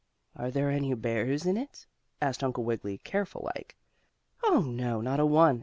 "Are there any bears in it?" asked Uncle Wiggily, careful like. "Oh, no; not a one.